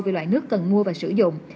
về loại nước cần mua và sử dụng